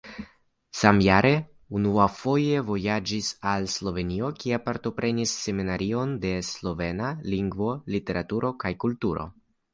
Samjare unuafoje vojaĝis al Slovenio, kie partoprenis Seminarion de slovena lingvo, literaturo kaj kulturo.